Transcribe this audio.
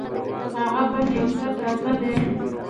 هغه بل يو څه تازه دی.